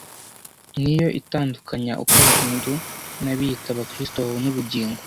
ni yo itandukanya uko Abahindu n’abiyita Abakristo babona ubugingo